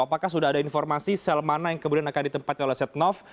apakah sudah ada informasi sel mana yang kemudian akan ditempatkan oleh setnov